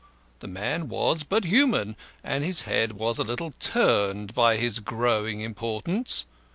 The man was but human, and his head was a little turned by his growing importance.